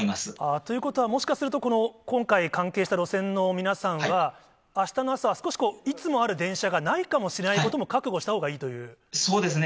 ということは、もしかすると今回、関係した路線の皆さんは、あしたの朝は少し、いつもある電車がないかもしれないということも覚悟したほうがいそうですね。